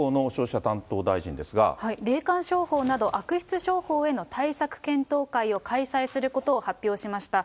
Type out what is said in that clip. ただ、霊感商法など、悪質商法への対策検討会を開催することを発表しました。